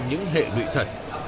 những hệ lụy thật